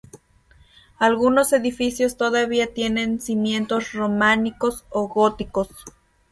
Algunos edificios todavía tienen cimientos románicos o góticos.